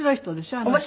あの人ね。